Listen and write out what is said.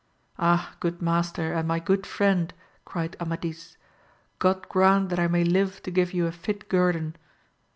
Ah, good master, and my good friend, cried Amadis, God grant that I may live to give you a fit guerdon.